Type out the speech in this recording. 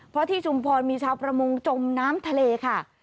เพราะที่ชุมพรมีชาวประมงจมน้ำทะเลค่ะ